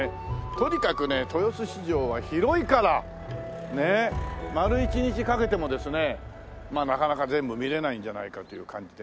とにかくね豊洲市場は広いから。ねえ丸一日かけてもですねまあなかなか全部見れないんじゃないかという感じで。